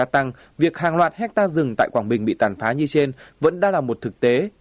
việc hàng loạt hectare rừng tại quảng bình bị tàn phá như trên vẫn đang là một thực tế